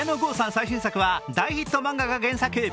最新作は大ヒット漫画が原作。